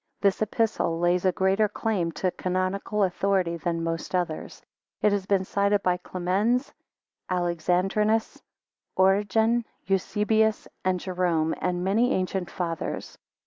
This Epistle lays a greater claim to canonical authority than most others. It has been cited by Clemens, Alexandrinus, Origen, Eusebius, and Jerome, and many ancient Fathers.